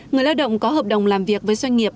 người lao động có hợp đồng làm việc với doanh nghiệp